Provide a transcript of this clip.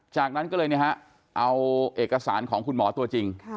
จากนั้นก็เลยเอาเอกสารของคุณหมอตัวจริง